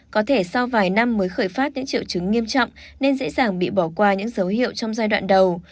có thể sau vài năm mới khởi phát những triệu chứng nghiêm trọng nên dễ dàng bị bỏ qua những dấu hiệu trong giai đoạn đầu